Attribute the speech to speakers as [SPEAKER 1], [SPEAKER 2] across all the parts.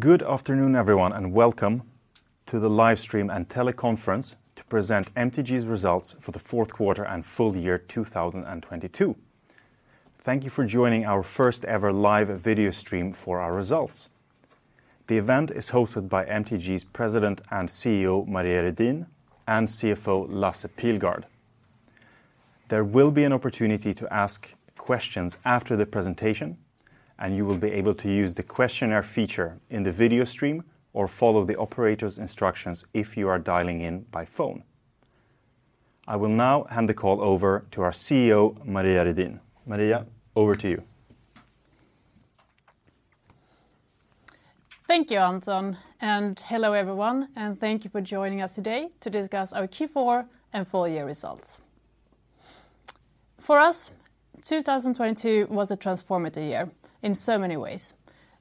[SPEAKER 1] Good afternoon, everyone, and welcome to the live stream and teleconference to present MTG's results for the fourth quarter and full year 2022. Thank you for joining our first ever live video stream for our results. The event is hosted by MTG's President and CEO, Maria Redin, and CFO, Lasse Pilgaard. There will be an opportunity to ask questions after the presentation, and you will be able to use the questionnaire feature in the video stream or follow the operator's instructions if you are dialing in by phone. I will now hand the call over to our CEO, Maria Redin. Maria, over to you.
[SPEAKER 2] Thank you, Anton. Hello everyone and thank you for joining us today to discuss our Q4 and full year results. For us, 2022 was a transformative year in so many ways.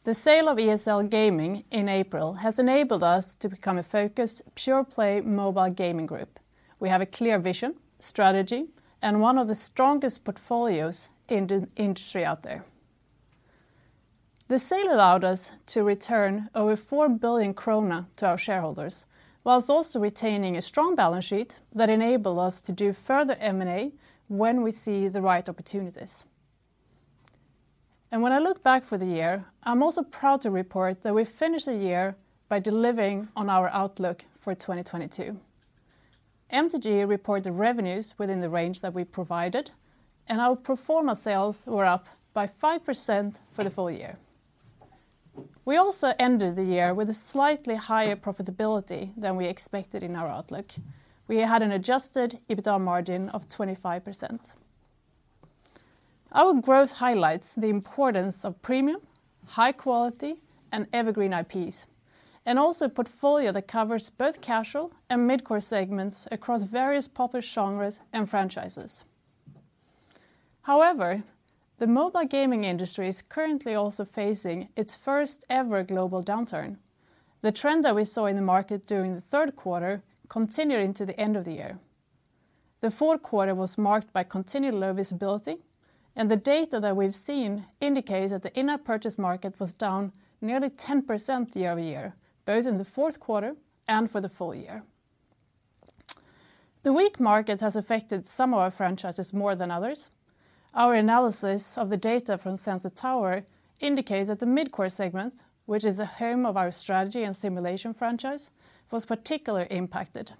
[SPEAKER 2] The sale of ESL Gaming in April has enabled us to become a focused, pure-play mobile gaming group. We have a clear vision, strategy, and one of the strongest portfolios in the industry out there. The sale allowed us to return over 4 billion krona to our shareholders, while also retaining a strong balance sheet that enable us to do further M&A when we see the right opportunities. When I look back for the year, I'm also proud to report that we finished the year by delivering on our outlook for 2022. MTG reported revenues within the range that we provided. Our pro forma sales were up by 5% for the full year. We also ended the year with a slightly higher profitability than we expected in our outlook. We had an adjusted EBITDA margin of 25%. Our growth highlights the importance of premium, high quality, and evergreen IPs, and also a portfolio that covers both casual and mid-core segments across various popular genres and franchises. The mobile gaming industry is currently also facing its first ever global downturn. The trend that we saw in the market during the third quarter continued into the end of the year. The fourth quarter was marked by continued low visibility. The data that we've seen indicates that the in-app purchase market was down nearly 10% year-over-year, both in the fourth quarter and for the full year. The weak market has affected some of our franchises more than others. Our analysis of the data from Sensor Tower indicates that the mid-core segment, which is the home of our strategy and simulation franchise, was particularly impacted.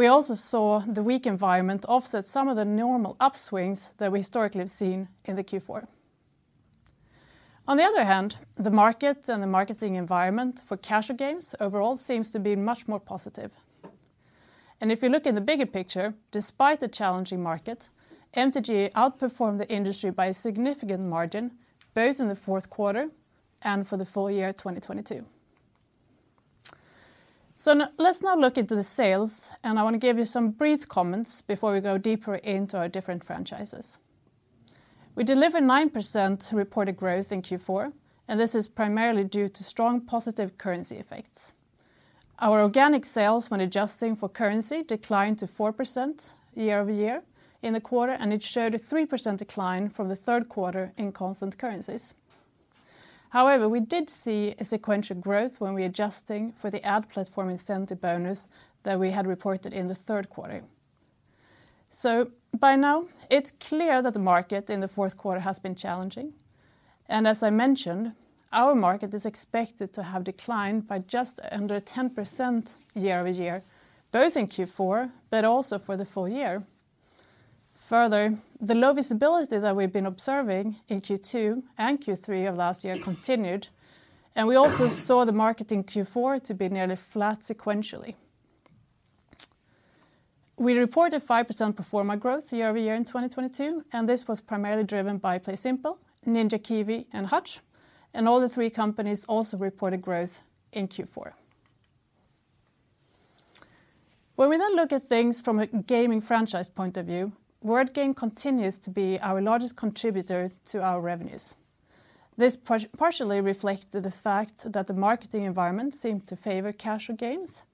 [SPEAKER 2] We also saw the weak environment offset some of the normal upswings that we historically have seen in the Q4. On the other hand, the market and the marketing environment for casual games overall seems to be much more positive. If you look at the bigger picture, despite the challenging market, MTG outperformed the industry by a significant margin, both in the fourth quarter and for the full year 2022. Let's now look into the sales, and I want to give you some brief comments before we go deeper into our different franchises. We delivered 9% reported growth in Q4. This is primarily due to strong positive currency effects. Our organic sales when adjusting for currency declined to 4% year-over-year in the quarter. It showed a 3% decline from the third quarter in constant currencies. However, we did see a sequential growth when we adjusting for the ad platform incentive bonus that we had reported in the third quarter. By now, it's clear that the market in the fourth quarter has been challenging and as I mentioned, our market is expected to have declined by just under 10% year-over-year, both in Q4, but also for the full year. Further, the low visibility that we've been observing in Q2 and Q3 of last year continued. We also saw the market in Q4 to be nearly flat sequentially. We reported 5% pro forma growth year-over-year in 2022, and this was primarily driven by PlaySimple, Ninja Kiwi, and Hutch, and all the 3 companies also reported growth in Q4. When we then look at things from a gaming franchise point of view, Word Game continues to be our largest contributor to our revenues. This partially reflected the fact that the marketing environment seemed to favor casual games,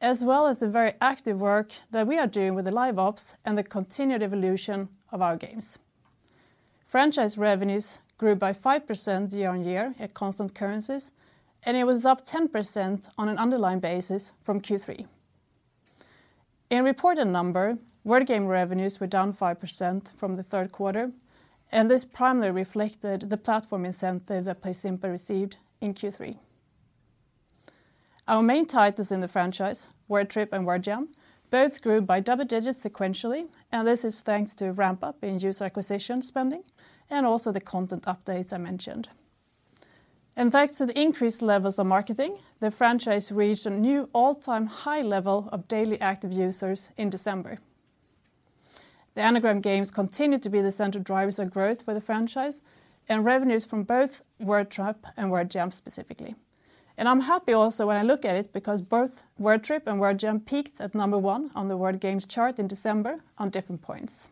[SPEAKER 2] as well as the very active work that we are doing with the live ops and the continued evolution of our games. Franchise revenues grew by 5% year-on-year at constant currencies. It was up 10% on an underlying basis from Q3. In reported number, Word Game revenues were down 5% from the third quarter. This primarily reflected the platform incentive that PlaySimple received in Q3. Our main titles in the franchise, Word Trip and Word Jam, both grew by double digits sequentially, this is thanks to ramp up in user acquisition spending and also the content updates I mentioned. Thanks to the increased levels of marketing, the franchise reached a new all-time high level of daily active users in December. The anagram games continued to be the central drivers of growth for the franchise and revenues from both Word Trip and Word Jam specifically. I'm happy also when I look at it because both Word Trip and Word Jam peaked at number 1 on the Word Games chart in December on different points.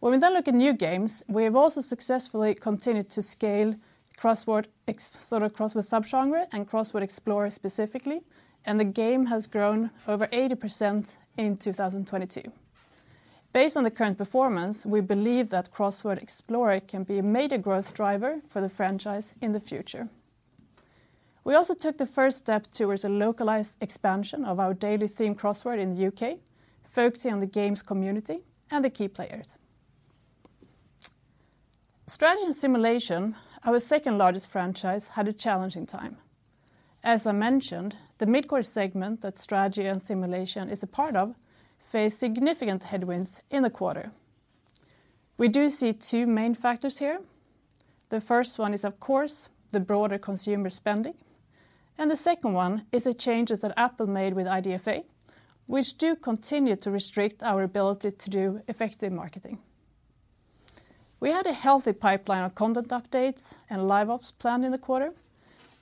[SPEAKER 2] We have also successfully continued to scale Crossword Explorer specifically, and the game has grown over 80% in 2022. Based on the current performance, we believe that Crossword Explorer can be a major growth driver for the franchise in the future. We also took the first step towards a localized expansion of our Daily Themed Crossword in the U.K., focusing on the games community and the key players. Strategy and simulation, our second-largest franchise, had a challenging time. As I mentioned, the mid-core segment that strategy and simulation is a part of, faced significant headwinds in the quarter. We do see two main factors here. The first one is, of course, the broader consumer spending. The second one is the changes that Apple made with IDFA, which do continue to restrict our ability to do effective marketing. We had a healthy pipeline of content updates and live ops planned in the quarter,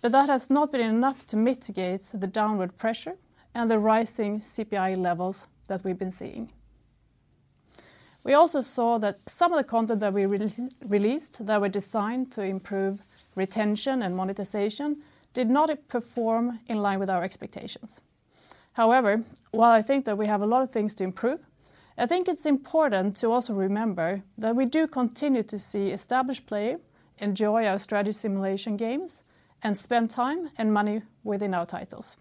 [SPEAKER 2] but that has not been enough to mitigate the downward pressure and the rising CPI levels that we've been seeing. We also saw that some of the content that we released that were designed to improve retention and monetization did not perform in line with our expectations. However, while I think that we have a lot of things to improve, I think it's important to also remember that we do continue to see established players enjoy our strategy simulation games and spend time and money within our titles.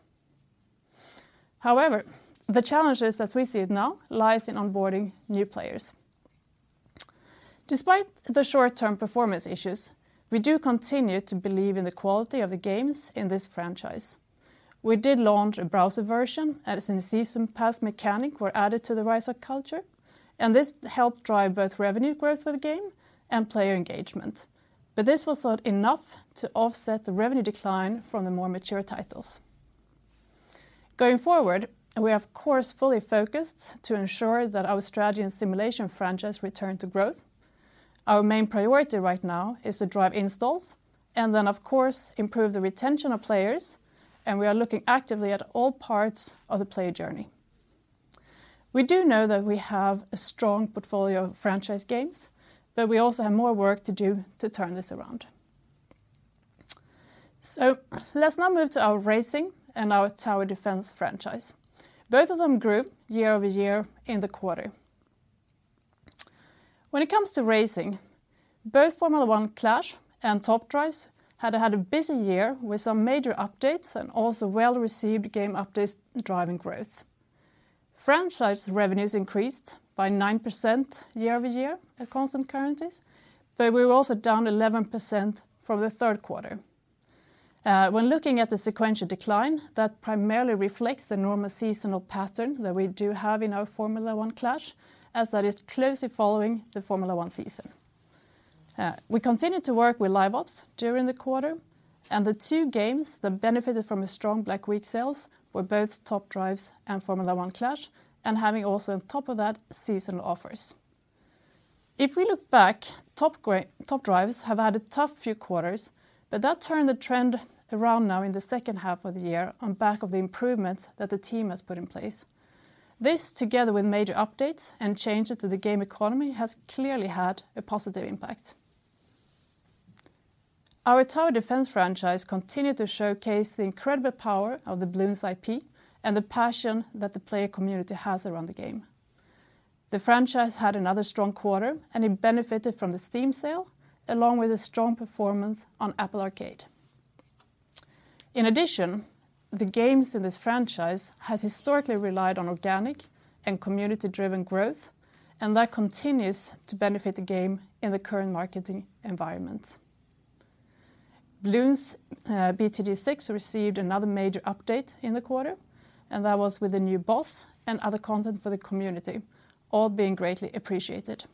[SPEAKER 2] However, the challenges as we see it now lies in onboarding new players. Despite the short-term performance issues, we do continue to believe in the quality of the games in this franchise. We did launch a browser version as a season pass mechanic were added to the Rise of Cultures, and this helped drive both revenue growth for the game and player engagement. This was not enough to offset the revenue decline from the more mature titles. Going forward, we are of course fully focused to ensure that our strategy and simulation franchise return to growth. Our main priority right now is to drive installs and then, of course, improve the retention of players, and we are looking actively at all parts of the player journey. We do know that we have a strong portfolio of franchise games, but we also have more work to do to turn this around. Let's now move to our racing and our tower defense franchise. Both of them grew year-over-year in the quarter. When it comes to racing, both F1 Clash and Top Drives had had a busy year with some major updates and also well-received game updates driving growth. Franchise revenues increased by 9% year-over-year at constant currencies, but we were also down 11% from the third quarter. When looking at the sequential decline, that primarily reflects the normal seasonal pattern that we do have in our F1 Clash, as that is closely following the Formula One season. We continued to work with live ops during the quarter, and the two games that benefited from a strong Black Week sales were both Top Drives and F1 Clash, and having also on top of that, seasonal offers. We look back, Top Drives have had a tough few quarters, but that turned the trend around now in the second half of the year on back of the improvements that the team has put in place. This together with major updates and changes to the game economy has clearly had a positive impact. Our tower defense franchise continued to showcase the incredible power of the Bloons IP and the passion that the player community has around the game. The franchise had another strong quarter, and it benefited from the Steam sale, along with a strong performance on Apple Arcade. The games in this franchise has historically relied on organic and community-driven growth, and that continues to benefit the game in the current marketing environment. Bloons TD 6, received another major update in the quarter. That was with a new boss and other content for the community, all being greatly appreciated.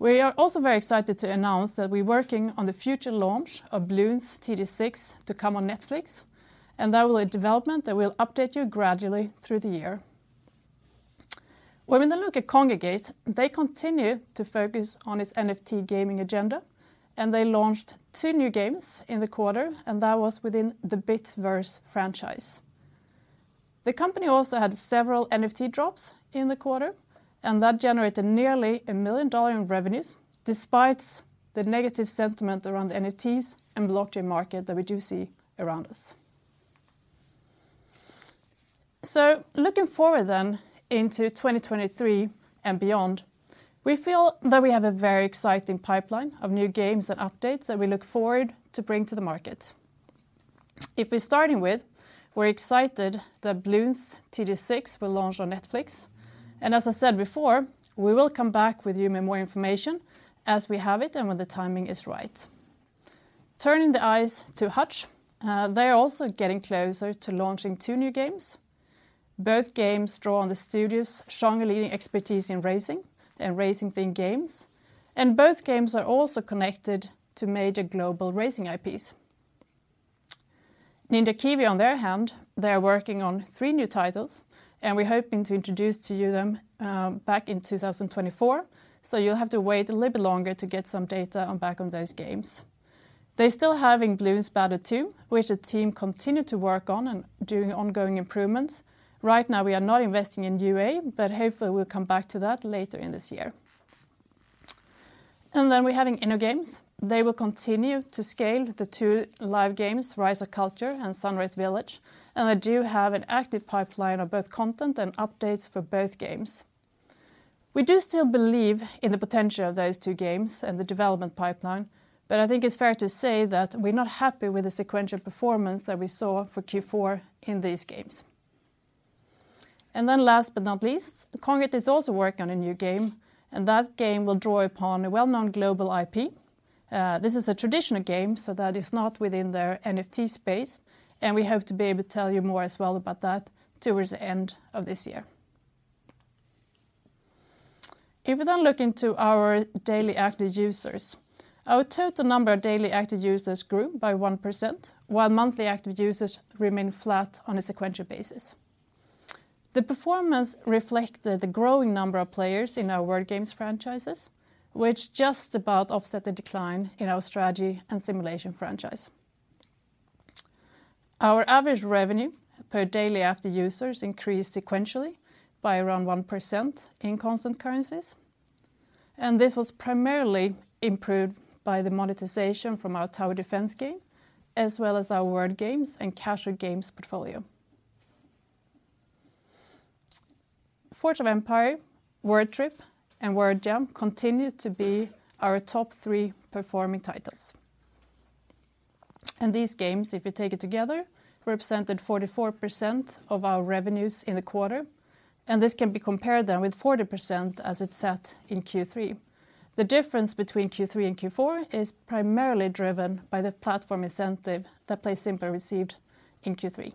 [SPEAKER 2] We are also very excited to announce that we're working on the future launch of Bloons TD6 to come on Netflix. That will a development that will update you gradually through the year. When we now look at Kongregate, they continue to focus on its NFT gaming agenda. They launched two new games in the quarter. That was within the Bitverse franchise. The company also had several NFT drops in the quarter. That generated nearly $1 million in revenues despite the negative sentiment around the NFTs and blockchain market that we do see around us. Looking forward then into 2023 and beyond, we feel that we have a very exciting pipeline of new games and updates that we look forward to bring to the market. If we're starting with, we're excited that Bloons TD6 will launch on Netflix, and as I said before, we will come back with you with more information as we have it and when the timing is right. Turning the eyes to Hutch, they're also getting closer to launching 2 new games. Both games draw on the studio's strong leading expertise in racing and racing themed games, and both games are also connected to major global racing IPs. Ninja Kiwi on their hand, they are working on three new titles, and we're hoping to introduce to you them back in 2024, so you'll have to wait a little bit longer to get some data on back on those games. They still having Bloons Battle Two, which the team continue to work on and doing ongoing improvements. Right now, we are not investing in UA, but hopefully we'll come back to that later in this year. We're having InnoGames. They will continue to scale the two live games, Rise of Cultures and Sunrise Village, and they do have an active pipeline of both content and updates for both games. We do still believe in the potential of those two games and the development pipeline, but I think it's fair to say that we're not happy with the sequential performance that we saw for Q4 in these games. Last but not least, Kongregate is also working on a new game, and that game will draw upon a well-known global IP. This is a traditional game, so that is not within their NFT space, and we hope to be able to tell you more as well about that towards the end of this year. If we then look into our daily active users, our total number of daily active users grew by 1%, while monthly active users remained flat on a sequential basis. The performance reflected the growing number of players in our word games franchises, which just about offset the decline in our strategy and simulation franchise. Our average revenue per Daily Active Users increased sequentially by around 1% in constant currencies, this was primarily improved by the monetization from our tower defense game, as well as our word games and casual games portfolio. Forge of Empires, Word Trip, and Word Jam continue to be our top three performing titles. These games, if you take it together, represented 44% of our revenues in the quarter, and this can be compared then with 40% as it sat in Q3. The difference between Q3 and Q4 is primarily driven by the platform incentive that PlaySimple received in Q3.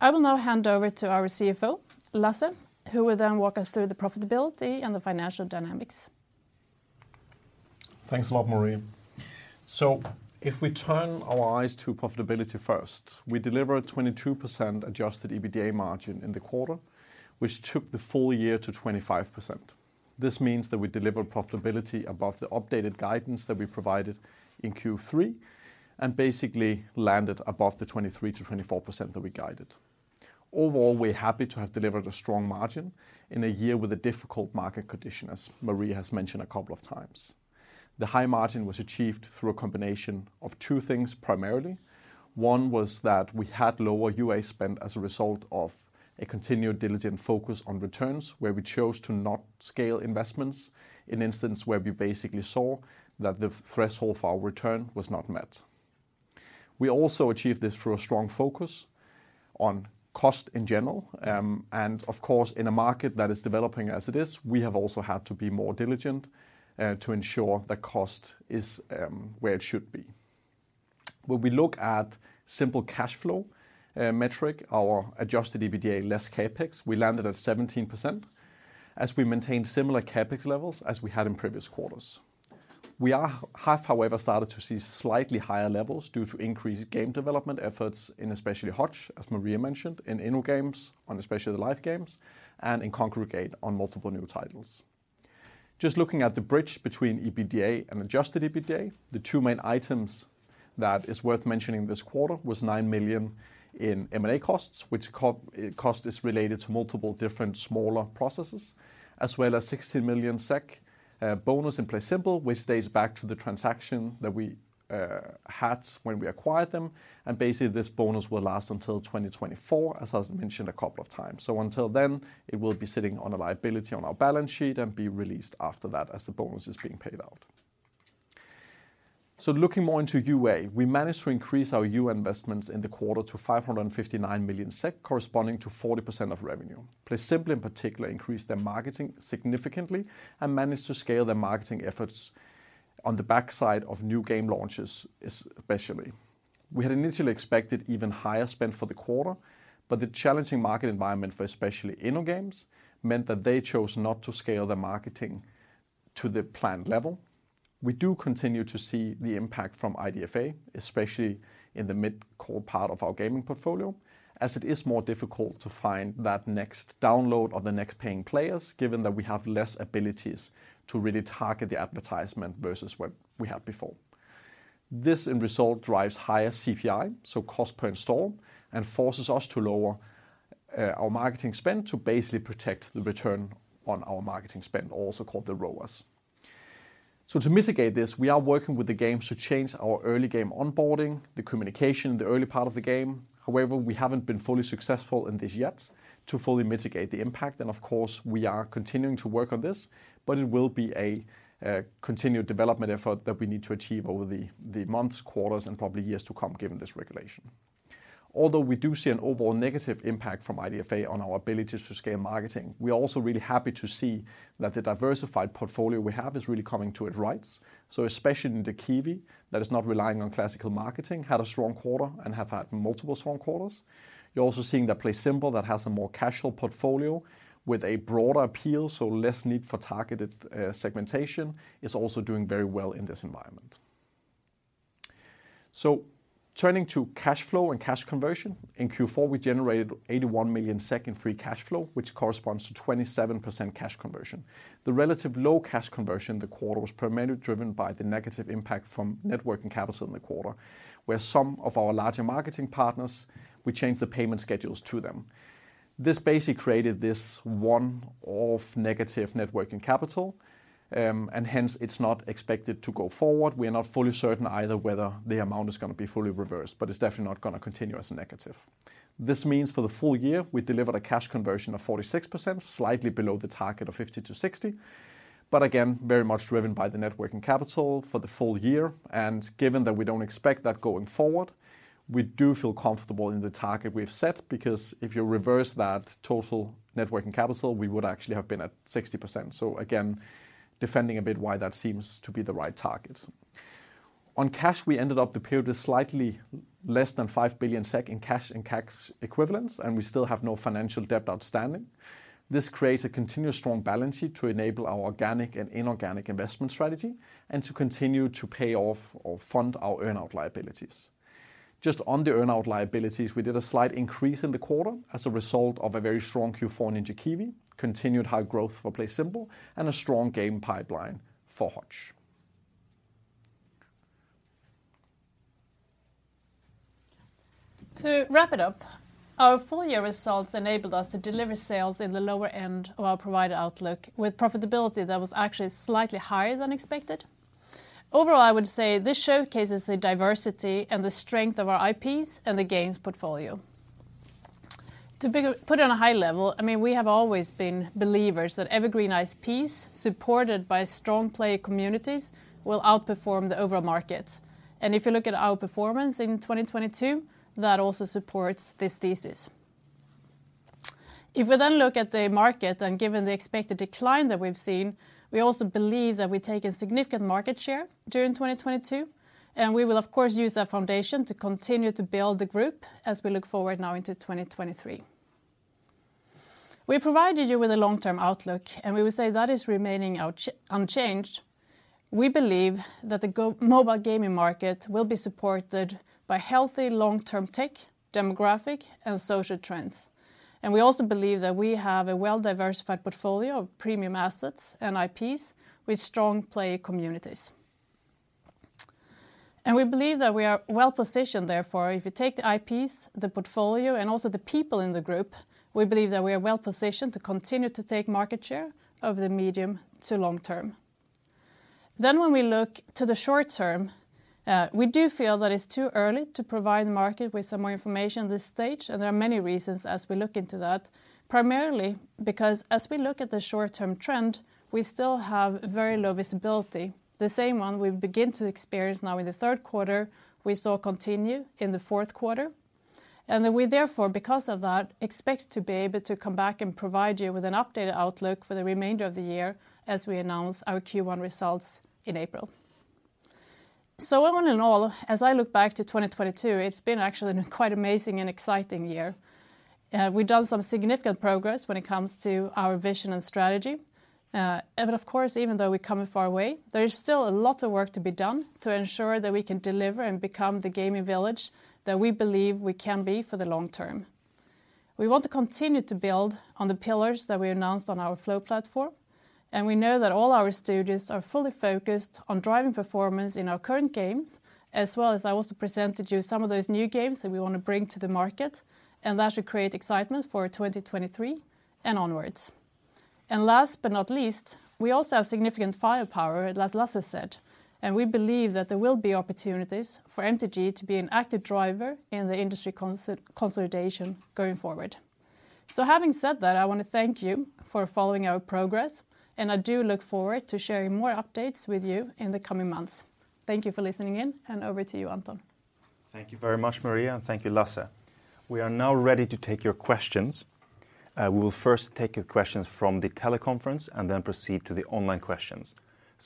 [SPEAKER 2] I will now hand over to our CFO, Lasse, who will then walk us through the profitability and the financial dynamics.
[SPEAKER 3] Thanks a lot, Maria. If we turn our eyes to profitability first, we delivered 22% adjusted EBITDA margin in the quarter, which took the full year to 25%. This means that we delivered profitability above the updated guidance that we provided in Q3, basically landed above the 23%-24% that we guided. Overall, we're happy to have delivered a strong margin in a year with a difficult market condition, as Maria has mentioned a couple of times. The high margin was achieved through a combination of 2 things, primarily. One was that we had lower UA spend as a result of a continued diligent focus on returns, where we chose to not scale investments in instances where we basically saw that the threshold for our return was not met. We also achieved this through a strong focus on cost in general, and of course, in a market that is developing as it is, we have also had to be more diligent to ensure the cost is where it should be. When we look at simple cash flow metric, our adjusted EBITDA less CapEx, we landed at 17% as we maintained similar CapEx levels as we had in previous quarters. We have, however, started to see slightly higher levels due to increased game development efforts in especially Hutch, as Maria mentioned, in InnoGames on especially the live games, and in Kongregate on multiple new titles. Just looking at the bridge between EBITDA and adjusted EBITDA, the two main items that is worth mentioning this quarter was 9 million in M&A costs, which co-cost is related to multiple different smaller processes, as well as 60 million SEK bonus in PlaySimple, which dates back to the transaction that we had when we acquired them. Basically, this bonus will last until 2024, as I mentioned a couple of times. Until then, it will be sitting on a liability on our balance sheet and be released after that as the bonus is being paid out. Looking more into UA, we managed to increase our UA investments in the quarter to 559 million SEK, corresponding to 40% of revenue. PlaySimple in particular increased their marketing significantly and managed to scale their marketing efforts on the backside of new game launches, especially. We had initially expected even higher spend for the quarter, but the challenging market environment for especially InnoGames meant that they chose not to scale their marketing to the planned level. We do continue to see the impact from IDFA, especially in the mid-core part of our gaming portfolio, as it is more difficult to find that next download or the next paying players, given that we have less abilities to really target the advertisement versus what we had before. This end result drives higher CPI, so cost per install, and forces us to lower our marketing spend to basically protect the return on our marketing spend, also called the ROAS. To mitigate this, we are working with the games to change our early game onboarding, the communication in the early part of the game. However, we haven't been fully successful in this yet to fully mitigate the impact. Of course, we are continuing to work on this, but it will be a continued development effort that we need to achieve over the months, quarters, and probably years to come given this regulation. Although we do see an overall negative impact from IDFA on our abilities to scale marketing, we are also really happy to see that the diversified portfolio we have is really coming to its right. Especially in the Kiwi, that is not relying on classical marketing, had a strong quarter and have had multiple strong quarters. You're also seeing that PlaySimple, that has a more casual portfolio with a broader appeal, less need for targeted segmentation, is also doing very well in this environment. Turning to cash flow and cash conversion, in Q4 we generated 81 million SEK in free cash flow, which corresponds to 27% cash conversion. The relative low cash conversion in the quarter was primarily driven by the negative impact from net working capital in the quarter, where some of our larger marketing partners, we changed the payment schedules to them. This basically created this one-off negative net working capital, and hence it's not expected to go forward. We are not fully certain either whether the amount is gonna be fully reversed, but it's definitely not gonna continue as a negative. This means for the full year, we delivered a cash conversion of 46%, slightly below the target of 50%-60%. Again, very much driven by the net working capital for the full year, and given that we don't expect that going forward, we do feel comfortable in the target we've set because if you reverse that total net working capital, we would actually have been at 60%. Again, defending a bit why that seems to be the right target. On cash, we ended up the period with slightly less than 5 billion SEK in cash and cash equivalents, and we still have no financial debt outstanding. This creates a continuous strong balance sheet to enable our organic and inorganic investment strategy and to continue to pay off or fund our earnout liabilities. Just on the earnout liabilities, we did a slight increase in the quarter as a result of a very strong Q4 Ninja Kiwi, continued high growth for PlaySimple, and a strong game pipeline for Hutch.
[SPEAKER 2] To wrap it up, our full year results enabled us to deliver sales in the lower end of our provided outlook with profitability that was actually slightly higher than expected. Overall, I would say this showcases the diversity and the strength of our IPs and the games portfolio. To put it on a high level, I mean, we have always been believers that evergreen IPs supported by strong player communities will outperform the overall market. If you look at our performance in 2022, that also supports this thesis. If we look at the market and given the expected decline that we've seen, we also believe that we take a significant market share during 2022, and we will of course use that foundation to continue to build the group as we look forward now into 2023. We provided you with a long-term outlook. We would say that is remaining unchanged. We believe that the mobile gaming market will be supported by healthy long-term tech, demographic, and social trends. We also believe that we have a well-diversified portfolio of premium assets and IPs with strong player communities. We believe that we are well-positioned therefore, if you take the IPs, the portfolio, and also the people in the group, we believe that we are well-positioned to continue to take market share over the medium to long term. When we look to the short term, we do feel that it's too early to provide the market with some more information at this stage. There are many reasons as we look into that, primarily because as we look at the short-term trend, we still have very low visibility. The same one we begin to experience now in the third quarter, we saw continue in the fourth quarter. We therefore, because of that, expect to be able to come back and provide you with an updated outlook for the remainder of the year as we announce our Q1 results in April. All in all, as I look back to 2022, it's been actually quite amazing and exciting year. We've done some significant progress when it comes to our vision and strategy. And of course, even though we've come a far way, there is still a lot of work to be done to ensure that we can deliver and become the gaming village that we believe we can be for the long term. We want to continue to build on the pillars that we announced on our Flow Platform. We know that all our studios are fully focused on driving performance in our current games, as well as I also presented you some of those new games that we want to bring to the market, that should create excitement for 2023 and onwards. Last but not least, we also have significant firepower, as Lasse said. We believe that there will be opportunities for MTG to be an active driver in the industry consolidation going forward. Having said that, I want to thank you for following our progress. I do look forward to sharing more updates with you in the coming months. Thank you for listening in. Over to you, Anton.
[SPEAKER 1] Thank you very much, Maria, and thank you, Lasse. We are now ready to take your questions. We will first take your questions from the teleconference and then proceed to the online questions.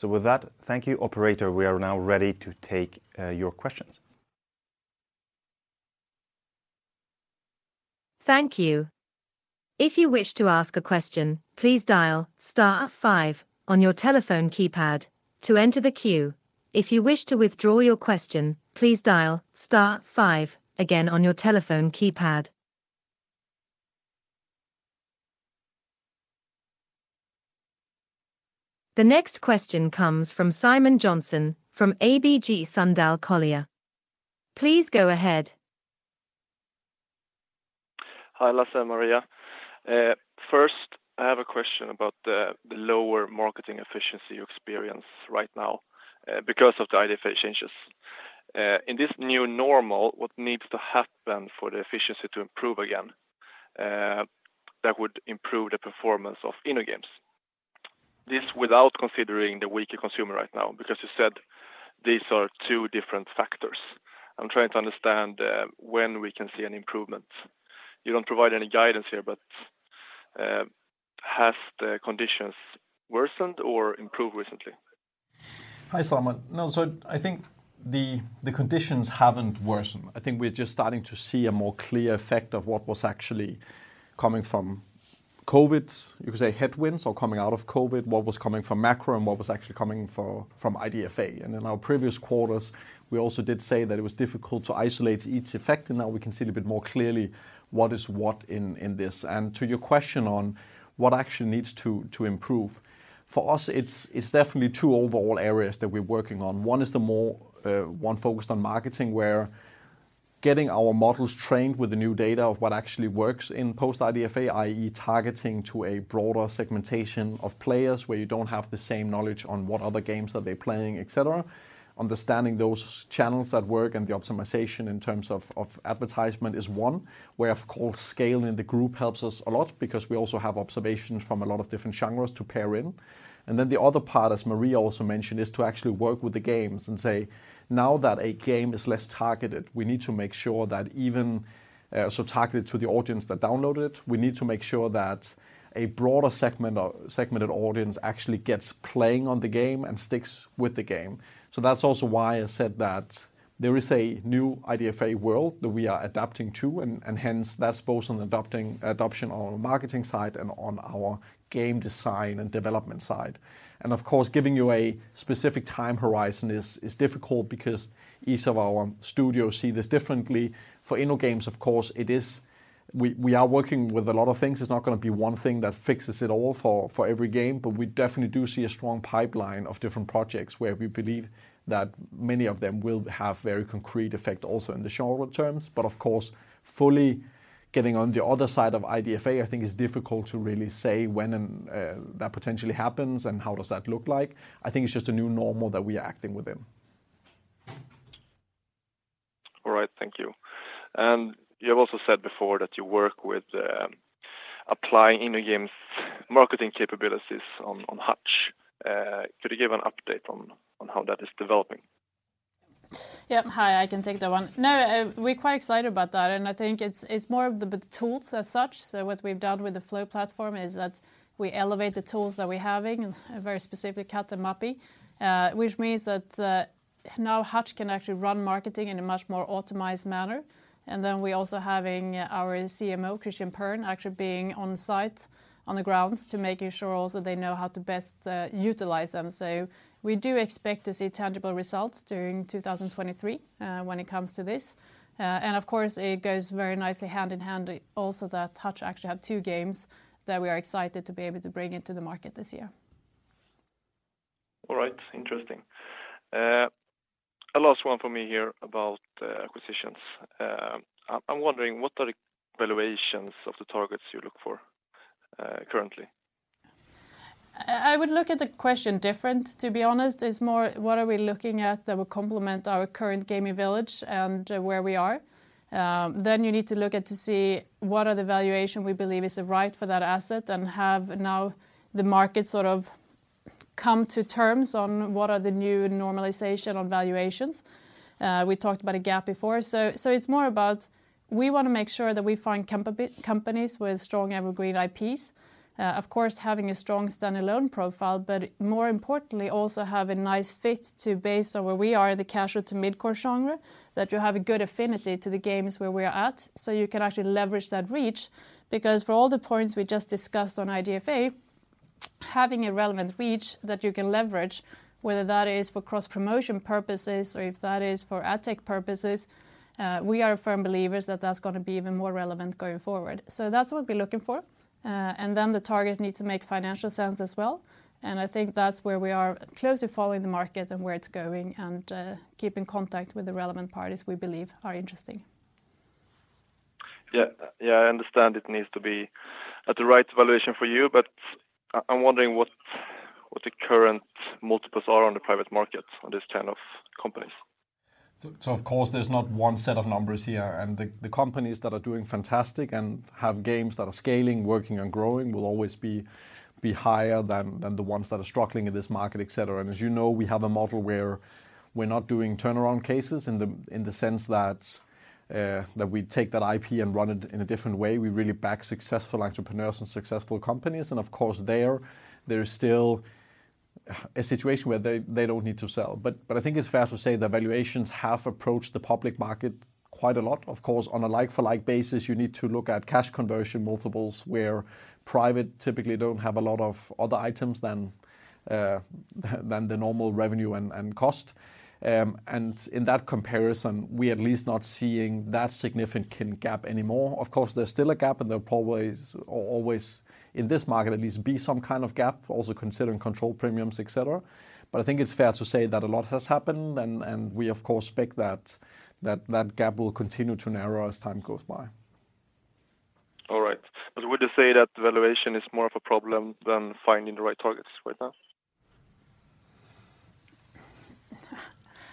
[SPEAKER 1] With that, thank you, operator. We are now ready to take your questions.
[SPEAKER 4] Thank you. If you wish to ask a question, please dial star five on your telephone keypad to enter the queue. If you wish to withdraw your question, please dial star five again on your telephone keypad. The next question comes from Simon Jönsson from ABG Sundal Collier. Please go ahead.
[SPEAKER 5] Hi, Lasse and Maria. First, I have a question about the lower marketing efficiency you experience right now because of the IDFA changes. In this new normal, what needs to happen for the efficiency to improve again that would improve the performance of InnoGames? This without considering the weaker consumer right now, because you said these are two different factors. I'm trying to understand when we can see an improvement. You don't provide any guidance here. Have the conditions worsened or improved recently?
[SPEAKER 3] Hi, Simon. I think the conditions haven't worsened. I think we're just starting to see a more clear effect of what was actually coming from COVID, you could say headwinds or coming out of COVID, what was coming from macro and what was actually coming from IDFA. In our previous quarters, we also did say that it was difficult to isolate each effect, and now we can see it a bit more clearly what is what in this. To your question on what action needs to improve, for us, it's definitely 2 overall areas that we're working on. One is the more one focused on marketing, where getting our models trained with the new data of what actually works in post-IDFA, i.e. targeting to a broader segmentation of players where you don't have the same knowledge on what other games are they playing, et cetera. Understanding those channels that work and the optimization in terms of advertisement is one, where, of course, scaling the group helps us a lot because we also have observations from a lot of different genres to pair in. The other part, as Maria also mentioned, is to actually work with the games and say, now that a game is less targeted, we need to make sure that even so targeted to the audience that download it, we need to make sure that a broader segment or segmented audience actually gets playing on the game and sticks with the game. That's also why I said that there is a new IDFA world that we are adapting to, hence that's both on adoption on our marketing side and on our game design and development side. Of course, giving you a specific time horizon is difficult because each of our studios see this differently. For InnoGames, of course, it is, we are working with a lot of things. It's not gonna be one thing that fixes it all for every game, but we definitely do see a strong pipeline of different projects where we believe that many of them will have very concrete effect also in the short terms. Of course, fully getting on the other side of IDFA, I think is difficult to really say when and that potentially happens and how does that look like. I think it's just a new normal that we are acting within.
[SPEAKER 5] All right. Thank you. You have also said before that you work with applying InnoGames marketing capabilities on Hutch. Could you give an update on how that is developing?
[SPEAKER 2] Yeah. Hi, I can take that one. No, we're quite excited about that, and I think it's more of the tools as such. What we've done with the Flow Platform is that we elevate the tools that we're having, and very specific cost mapping, which means that now Hutch can actually run marketing in a much more optimized manner. We're also having our CMO, Christian Pern, actually being on site on the grounds to making sure also they know how to best utilize them. We do expect to see tangible results during 2023 when it comes to this. Of course, it goes very nicely hand in hand also that Hutch actually have two games that we are excited to be able to bring into the market this year.
[SPEAKER 5] All right. Interesting. A last one for me here about acquisitions. I'm wondering what are the valuations of the targets you look for currently?
[SPEAKER 2] I would look at the question different, to be honest. It's more what are we looking at that will complement our current gaming village and where we are. You need to look at to see what are the valuation we believe is right for that asset and have now the market sort of come to terms on what are the new normalization on valuations. We talked about a gap before. It's more about we wanna make sure that we find companies with strong evergreen IPs. Of course, having a strong standalone profile, but more importantly, also have a nice fit to base on where we are, the casual to mid-core genre, that you have a good affinity to the games where we are at, so you can actually leverage that reach. For all the points we just discussed on IDFA, having a relevant reach that you can leverage, whether that is for cross-promotion purposes or if that is for ad tech purposes, we are firm believers that that's gonna be even more relevant going forward. That's what we're looking for. The target need to make financial sense as well. I think that's where we are closely following the market and where it's going and keeping contact with the relevant parties we believe are interesting.
[SPEAKER 5] Yeah. Yeah, I understand it needs to be at the right valuation for you, but I'm wondering what the current multiples are on the private market on this kind of companies.
[SPEAKER 3] Of course, there's not one set of numbers here, and the companies that are doing fantastic and have games that are scaling, working, and growing will always be higher than the ones that are struggling in this market, et cetera. As you know, we have a model where we're not doing turnaround cases in the sense that we take that IP and run it in a different way. We really back successful entrepreneurs and successful companies. Of course, there is still a situation where they don't need to sell. I think it's fair to say the valuations have approached the public market quite a lot. Of course, on a like for like basis, you need to look at cash conversion multiples, where private typically don't have a lot of other items than than the normal revenue and cost. In that comparison, we at least not seeing that significant gap anymore. Of course, there's still a gap, and there always in this market at least be some kind of gap, also considering control premiums, et cetera. I think it's fair to say that a lot has happened, and we of course expect that gap will continue to narrow as time goes by.
[SPEAKER 5] All right. Would you say that the valuation is more of a problem than finding the right targets right now?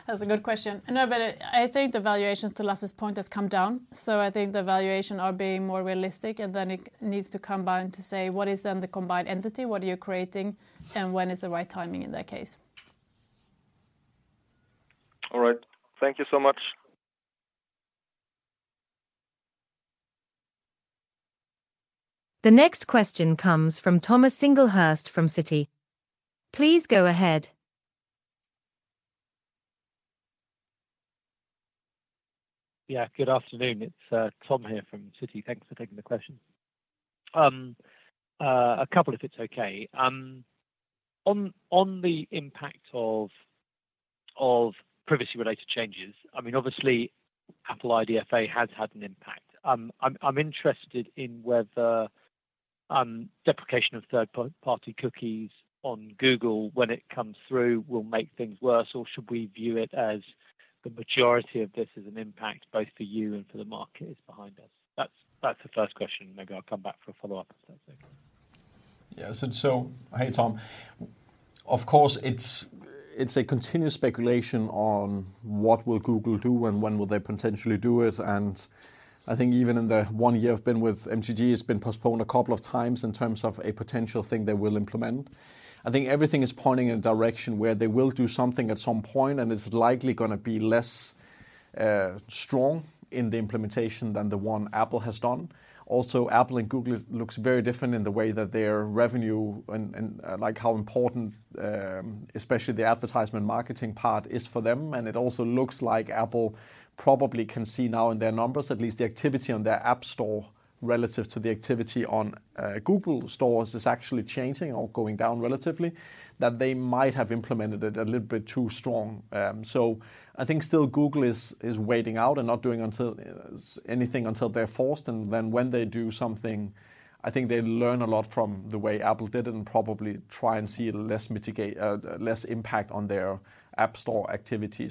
[SPEAKER 2] That's a good question. I think the valuations to Lasse's point has come down. I think the valuation are being more realistic, and then it needs to combine to say, what is then the combined entity? What are you creating? When is the right timing in that case?
[SPEAKER 5] All right. Thank you so much.
[SPEAKER 4] The next question comes from Thomas Singlehurst from Citi. Please go ahead.
[SPEAKER 6] Yeah. Good afternoon. It's Tom here from Citi. Thanks for taking the question. A couple if it's okay. On the impact of privacy-related changes, I mean, obviously, Apple IDFA has had an impact. I'm interested in whether deprecation of third-party cookies on Google, when it comes through, will make things worse or should we view it as the majority of this is an impact both for you and for the market is behind us. That's the first question. Maybe I'll come back for a follow-up if that's okay.
[SPEAKER 3] Hey, Tom. Of course, it's a continuous speculation on what will Google do and when will they potentially do it. I think even in the one year I've been with MTG, it's been postponed a couple of times in terms of a potential thing they will implement. I think everything is pointing in a direction where they will do something at some point, and it's likely gonna be less strong in the implementation than the one Apple has done. Apple and Google looks very different in the way that their revenue and like how important especially the advertisement marketing part is for them. It also looks like Apple probably can see now in their numbers, at least the activity on their App Store relative to the activity on Google Stores is actually changing or going down relatively that they might have implemented it a little bit too strong. I think still Google is waiting out and not doing until, anything until they're forced. Then when they do something, I think they learn a lot from the way Apple did it and probably try and see less impact on their App Store activity.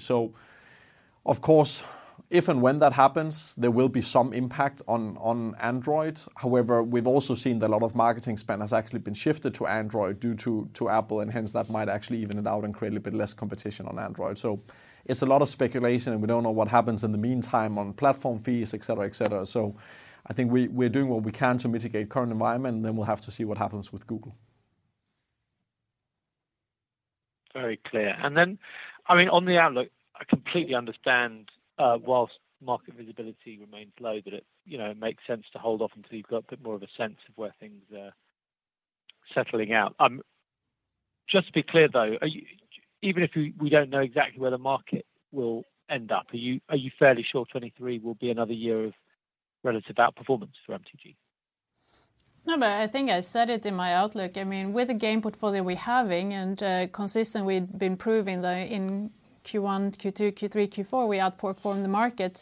[SPEAKER 3] Of course, if and when that happens, there will be some impact on Android. However, we've also seen that a lot of marketing spend has actually been shifted to Android due to Apple, and hence that might actually even it out and create a bit less competition on Android. It's a lot of speculation, and we don't know what happens in the meantime on platform fees, et cetera, et cetera. I think we're doing what we can to mitigate current environment, and then we'll have to see what happens with Google.
[SPEAKER 6] Very clear. I mean, on the outlook, I completely understand, whilst market visibility remains low, that it, you know, makes sense to hold off until you've got a bit more of a sense of where things are settling out. Just to be clear, though, even if we don't know exactly where the market will end up, are you fairly sure 2023 will be another year of relative outperformance for MTG?
[SPEAKER 2] I think I said it in my outlook. With the game portfolio we're having and, consistently we've been proving the in Q1, Q2, Q3, Q4, we outperform the market.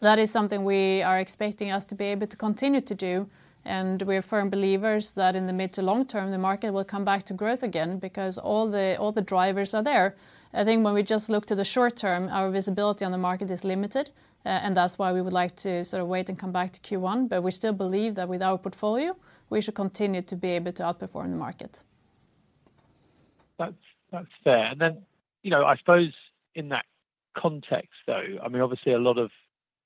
[SPEAKER 2] That is something we are expecting us to be able to continue to do, and we're firm believers that in the mid to long term, the market will come back to growth again because all the, all the drivers are there. When we just look to the short term, our visibility on the market is limited. That's why we would like to sort of wait and come back to Q1. We still believe that with our portfolio, we should continue to be able to outperform the market.
[SPEAKER 6] That's fair. Then, you know, I suppose in that context, though, I mean, obviously a lot of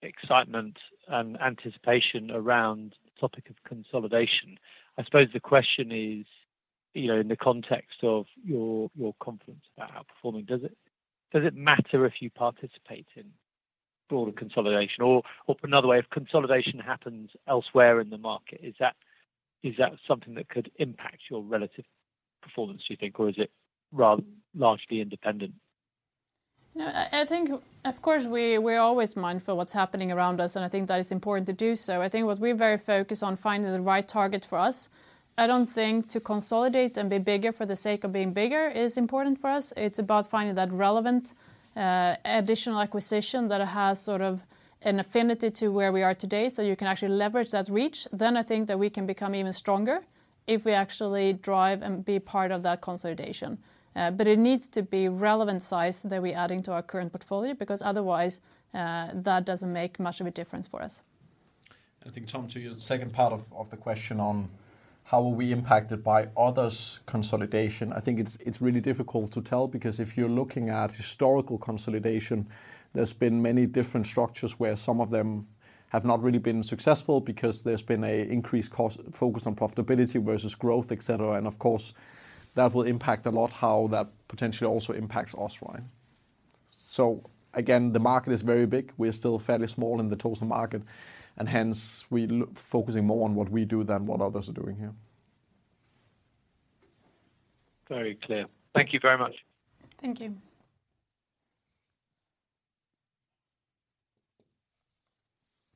[SPEAKER 6] excitement and anticipation around the topic of consolidation. I suppose the question is, you know, in the context of your confidence about outperforming, does it matter if you participate in broader consolidation? Put another way, if consolidation happens elsewhere in the market, is that something that could impact your relative performance, do you think, or is it rather largely independent?
[SPEAKER 2] No, I think of course we're always mindful what's happening around us, and I think that is important to do so. I think what we're very focused on finding the right target for us. I don't think to consolidate and be bigger for the sake of being bigger is important for us. It's about finding that relevant additional acquisition that has sort of an affinity to where we are today, so you can actually leverage that reach. I think that we can become even stronger if we actually drive and be part of that consolidation. It needs to be relevant size that we're adding to our current portfolio because otherwise, that doesn't make much of a difference for us.
[SPEAKER 3] I think, Thomas, to your second part of the question on how are we impacted by others' consolidation, I think it's really difficult to tell because if you're looking at historical consolidation, there's been many different structures where some of them have not really been successful because there's been a increased cost focus on profitability versus growth, et cetera. Of course, that will impact a lot how that potentially also impacts us, right? Again, the market is very big. We're still fairly small in the total market, and hence we focusing more on what we do than what others are doing here.
[SPEAKER 6] Very clear. Thank you very much.
[SPEAKER 2] Thank you.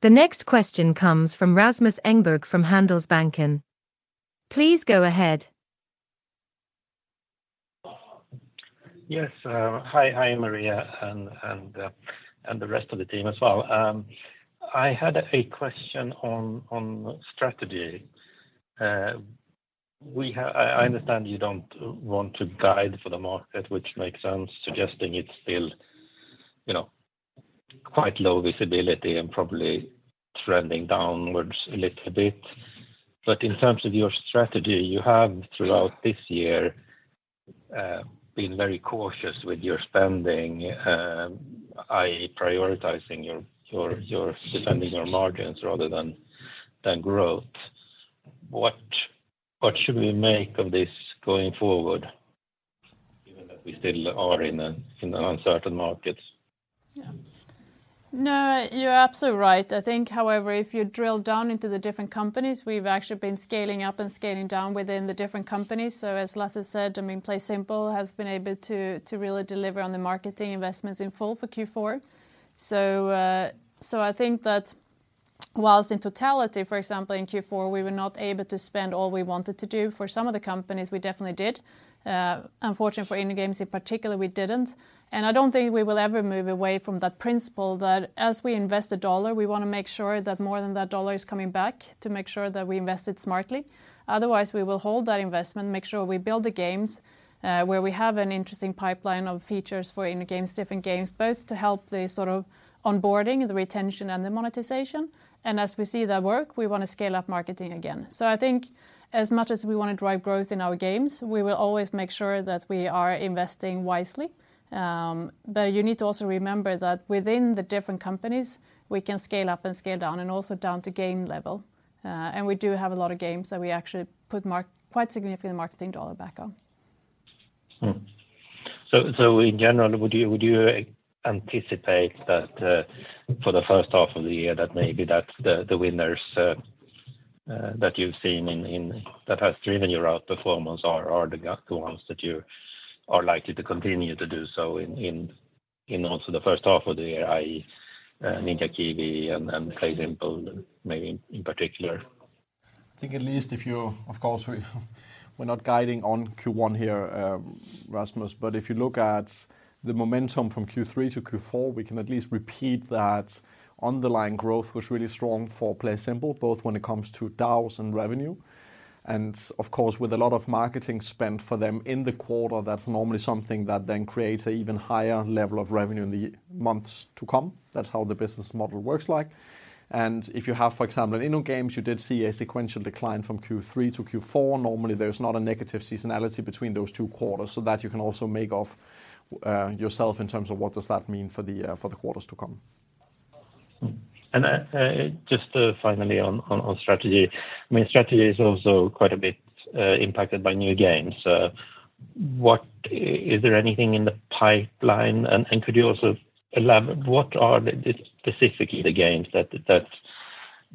[SPEAKER 4] The next question comes from Rasmus Engberg from Handelsbanken. Please go ahead.
[SPEAKER 7] Yes. Hi. Hi, Maria and the rest of the team as well. I had a question on strategy. I understand you don't want to guide for the market, which makes sense, suggesting it's still, you know, quite low visibility and probably trending downwards a little bit. In terms of your strategy, you have throughout this year, been very cautious with your spending, i.e., prioritizing your defending your margins rather than growth. What should we make of this going forward, given that we still are in a, in an uncertain market?
[SPEAKER 2] No, you're absolutely right. I think, however, if you drill down into the different companies, we've actually been scaling up and scaling down within the different companies. As Lasse said, I mean, PlaySimple has been able to really deliver on the marketing investments in full for Q4. I think that whilst in totality, for example, in Q4 we were not able to spend all we wanted to do. For some of the companies, we definitely did. Unfortunately, for InnoGames in particular, we didn't, and I don't think we will ever move away from that principle that as we invest a dollar, we wanna make sure that more than that dollar is coming back to make sure that we invested smartly. Otherwise, we will hold that investment, make sure we build the games, where we have an interesting pipeline of features for InnoGames, different games, both to help the sort of onboarding, the retention, and the monetization. As we see that work, we wanna scale up marketing again. I think as much as we wanna drive growth in our games, we will always make sure that we are investing wisely. You need to also remember that within the different companies, we can scale up and scale down and also down to game level. We do have a lot of games that we actually put quite significant marketing SEK back on.
[SPEAKER 7] In general, would you anticipate that for the first half of the year that maybe that's the winners that you've seen in that has driven your outperformance are the ones that you are likely to continue to do so in also the first half of the year, i.e., Ninja Kiwi and PlaySimple maybe in particular?
[SPEAKER 3] I think at least if you of course, we're not guiding on Q1 here, Rasmus. If you look at the momentum from Q3 to Q4, we can at least repeat that underlying growth was really strong for PlaySimple, both when it comes to DAUs and revenue. With a lot of marketing spend for them in the quarter, that's normally something that then creates a even higher level of revenue in the months to come. That's how the business model works like. If you have, for example, in InnoGames, you did see a sequential decline from Q3 to Q4. Normally, there's not a negative seasonality between those two quarters. That you can also make of yourself in terms of what does that mean for the for the quarters to come.
[SPEAKER 7] Just finally on strategy. I mean, strategy is also quite a bit impacted by new games. Is there anything in the pipeline and could you also elaborate what are the specifically the games that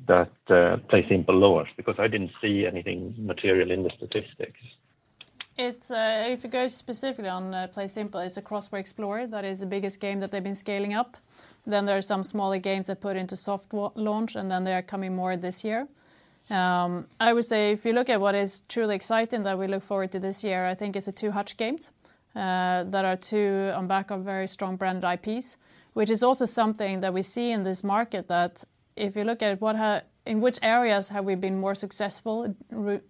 [SPEAKER 7] PlaySimple lowers? Because I didn't see anything material in the statistics.
[SPEAKER 2] It's, if you go specifically on PlaySimple, it's a Crossword Explorer that is the biggest game that they've been scaling up. There are some smaller games they put into soft launch. They are coming more this year. I would say if you look at what is truly exciting that we look forward to this year, I think it's the 2 Hutch games that are 2 on back of very strong brand IPs, which is also something that we see in this market, that if you look at what in which areas have we been more successful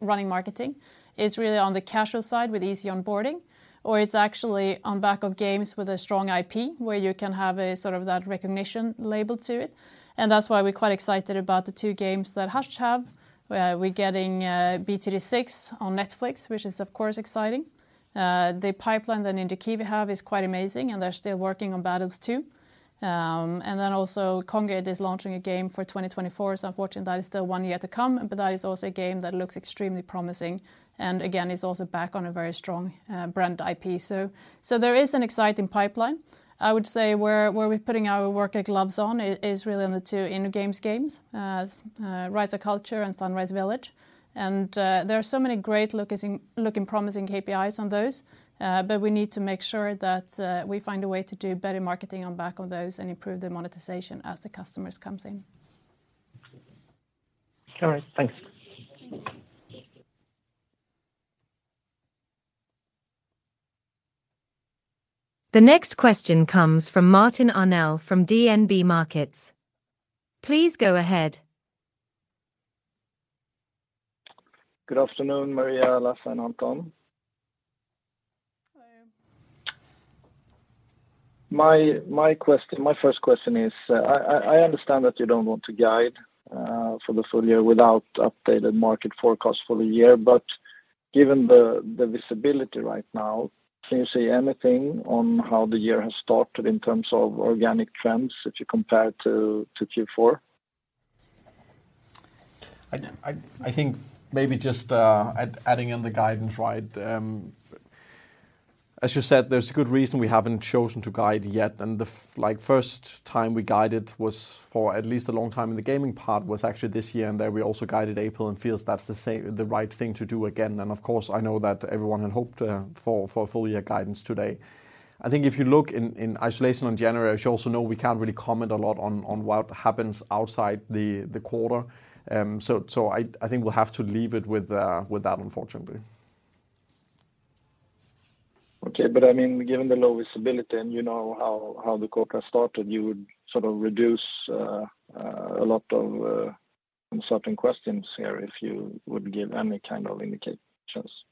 [SPEAKER 2] running marketing, it's really on the casual side with easy onboarding, or it's actually on back of games with a strong IP where you can have a sort of that recognition label to it. That's why we're quite excited about the 2 games that Hutch have, we're getting BTD6 on Netflix, which is of course exciting. The pipeline that Ninja Kiwi have is quite amazing, and they're still working on Battles 2. Then also Kongregate is launching a game for 2024, so unfortunately that is still 1 year to come, but that is also a game that looks extremely promising and again is also back on a very strong brand IP. There is an exciting pipeline. I would say where we're putting our working gloves on is really on the 2 InnoGames games, Rise of Cultures and Sunrise Village. There are so many great looking promising KPIs on those, but we need to make sure that we find a way to do better marketing on back of those and improve the monetization as the customers comes in.
[SPEAKER 7] All right. Thanks.
[SPEAKER 2] Thank you.
[SPEAKER 4] The next question comes from Martin Arnell from DNB Markets. Please go ahead.
[SPEAKER 8] Good afternoon, Maria, Lasse, and Anton.
[SPEAKER 2] Hi.
[SPEAKER 8] My question, my first question is, I understand that you don't want to guide for the full year without updated market forecast for the year, but given the visibility right now, can you say anything on how the year has started in terms of organic trends if you compare to Q4?
[SPEAKER 3] I think maybe just adding in the guidance, right? As you said, there's a good reason we haven't chosen to guide yet, the like first time we guided was for at least a long time in the gaming part was actually this year, and there we also guided April and feels that's the right thing to do again. Of course, I know that everyone had hoped for full year guidance today. I think if you look in isolation on January, as you also know, we can't really comment a lot on what happens outside the quarter. I think we'll have to leave it with that, unfortunately.
[SPEAKER 8] Okay. I mean, given the low visibility and you know how the quarter started, you would sort of reduce a lot of uncertain questions here if you would give any kind of indications.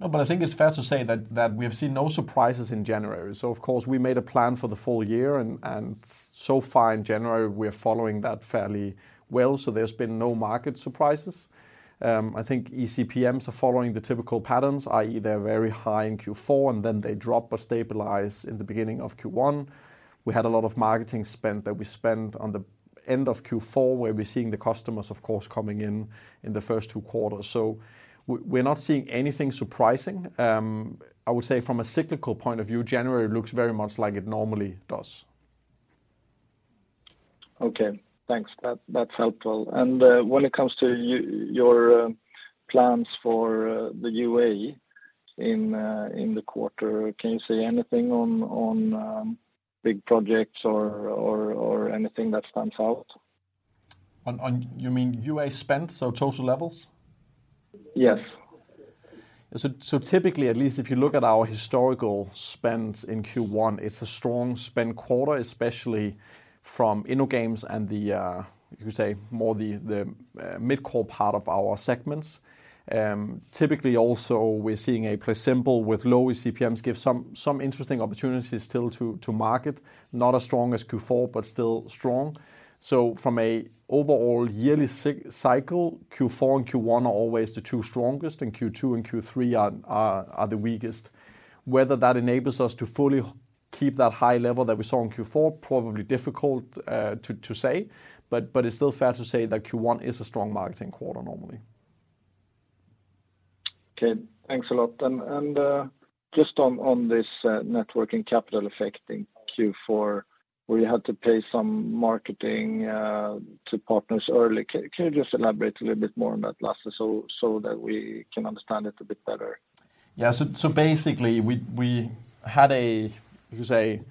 [SPEAKER 3] I think it's fair to say that we have seen no surprises in January. Of course, we made a plan for the full year and so far in January, we're following that fairly well. There's been no market surprises. I think eCPMs are following the typical patterns, i.e., they're very high in Q4, and then they drop or stabilize in the beginning of Q1. We had a lot of marketing spend that we spent on the end of Q4, where we're seeing the customers, of course, coming in in the first two quarters. We're not seeing anything surprising. I would say from a cyclical point of view, January looks very much like it normally does.
[SPEAKER 8] Okay, thanks. That's helpful. When it comes to your plans for the UA in the quarter, can you say anything on big projects or anything that stands out?
[SPEAKER 3] You mean UA spend, so total levels?
[SPEAKER 8] Yes.
[SPEAKER 3] Typically, at least if you look at our historical spends in Q1, it's a strong spend quarter, especially from InnoGames and the, you could say more the mid-core part of our segments. Typically also we're seeing a PlaySimple with lower CPMs give some interesting opportunities still to market, not as strong as Q4, but still strong. From a overall yearly cycle, Q4 and Q1 are always the two strongest, and Q2 and Q3 are the weakest. Whether that enables us to fully keep that high level that we saw in Q4, probably difficult to say, but it's still fair to say that Q1 is a strong marketing quarter normally.
[SPEAKER 8] Okay. Thanks a lot. Just on this networking capital effect in Q4, where you had to pay some marketing to partners early, can you just elaborate a little bit more on that, Lasse, so that we can understand it a bit better?
[SPEAKER 3] Yeah. Basically we had a, you could say,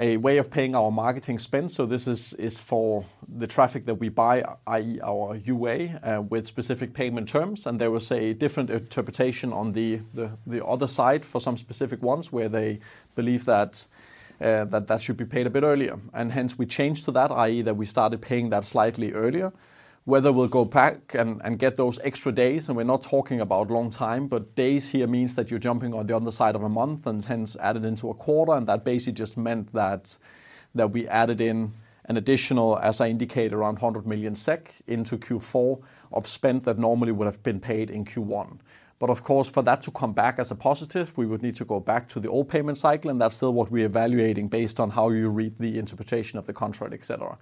[SPEAKER 3] a way of paying our marketing spend, this is for the traffic that we buy, i.e. our UA, with specific payment terms, there was a different interpretation on the other side for some specific ones where they believe that that should be paid a bit earlier. Hence we changed to that, i.e. that we started paying that slightly earlier. Whether we'll go back and get those extra days, and we're not talking about long time, but days here means that you're jumping on the other side of a month and hence added into a quarter, and that basically just meant that we added in an additional, as I indicated, around 100 million SEK into Q4 of spend that normally would have been paid in Q1. Of course, for that to come back as a positive, we would need to go back to the old payment cycle, and that's still what we're evaluating based on how you read the interpretation of the contract, et cetera.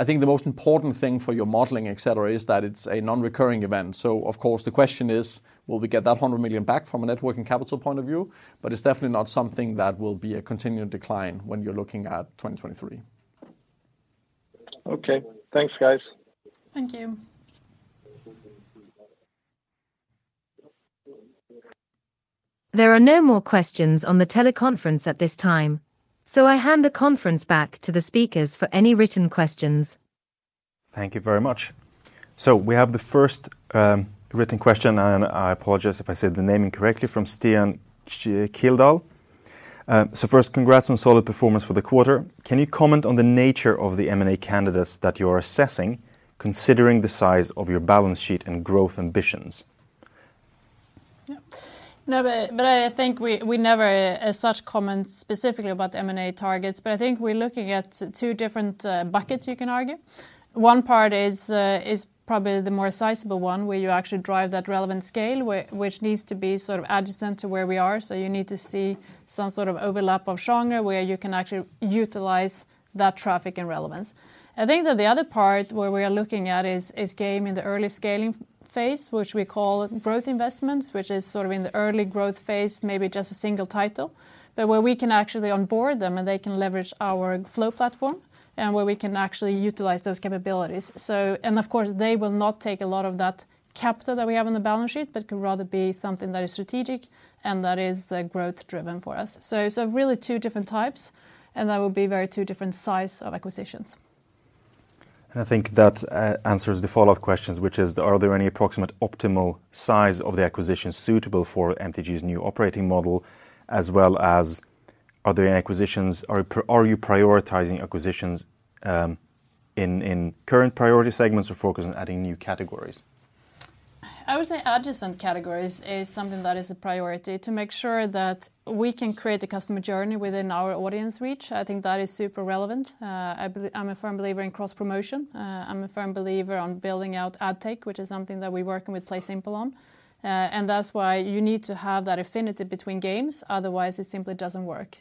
[SPEAKER 3] I think the most important thing for your modeling, et cetera, is that it's a non-recurring event. Of course the question is will we get that 100 million back from a networking capital point of view, but it's definitely not something that will be a continued decline when you're looking at 2023.
[SPEAKER 8] Okay. Thanks, guys.
[SPEAKER 2] Thank you.
[SPEAKER 4] There are no more questions on the teleconference at this time, so I hand the conference back to the speakers for any written questions.
[SPEAKER 1] Thank you very much. We have the first written question, and I apologize if I say the name incorrectly, from Stian Kjeldal. "First, congrats on solid performance for the quarter. Can you comment on the nature of the M&A candidates that you are assessing, considering the size of your balance sheet and growth ambitions?
[SPEAKER 2] I think we never as such comment specifically about the M&A targets, but I think we're looking at two different buckets you can argue. One part is probably the more sizable one, where you actually drive that relevant scale which needs to be sort of adjacent to where we are. You need to see some sort of overlap of genre where you can actually utilize that traffic and relevance. I think that the other part where we are looking at is game in the early scaling phase, which we call growth investments, which is sort of in the early growth phase, maybe just a single title, but where we can actually onboard them, and they can leverage our Flow Platform and where we can actually utilize those capabilities. Of course, they will not take a lot of that capital that we have on the balance sheet, but could rather be something that is strategic and that is growth driven for us. Really two different types, and that will be very two different size of acquisitions.
[SPEAKER 1] I think that answers the follow-up questions, which is are there any approximate optimal size of the acquisition suitable for MTG's new operating model as well as are there any acquisitions or are you prioritizing acquisitions in current priority segments or focused on adding new categories?
[SPEAKER 2] I would say adjacent categories is something that is a priority to make sure that we can create the customer journey within our audience reach. I think that is super relevant. I'm a firm believer in cross-promotion. I'm a firm believer on building out ad tech, which is something that we're working with PlaySimple on. That's why you need to have that affinity between games, otherwise it simply doesn't work.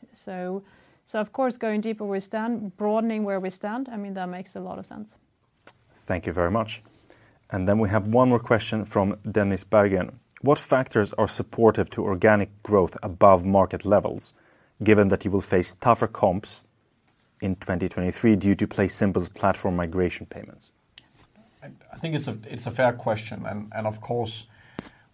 [SPEAKER 2] Of course, going deeper where we stand, broadening where we stand, I mean, that makes a lot of sense.
[SPEAKER 1] Thank you very much. We have one more question from Dennis Berggren. "What factors are supportive to organic growth above market levels, given that you will face tougher comps in 2023 due to PlaySimple's platform migration payments?
[SPEAKER 3] I think it's a fair question. Of course,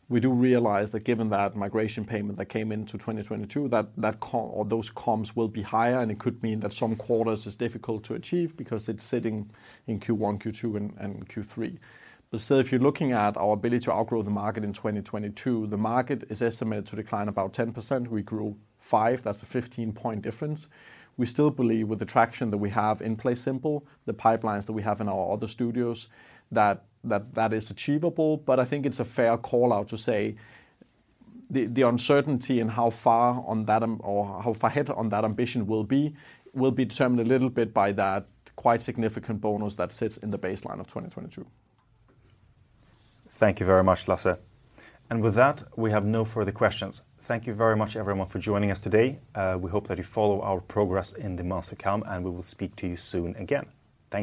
[SPEAKER 3] we do realize that given that migration payment that came into 2022, that or those comps will be higher, and it could mean that some quarters is difficult to achieve because it's sitting in Q1, Q2, and Q3. Still, if you're looking at our ability to outgrow the market in 2022, the market is estimated to decline about 10%. We grew 5%. That's a 15-point difference. We still believe with the traction that we have in PlaySimple, the pipelines that we have in our other studios, that is achievable. I think it's a fair call-out to say the uncertainty in how far on that or how far ahead on that ambition will be determined a little bit by that quite significant bonus that sits in the baseline of 2022.
[SPEAKER 1] Thank you very much, Lasse. With that, we have no further questions. Thank you very much, everyone, for joining us today. We hope that you follow our progress in the months to come. We will speak to you soon again.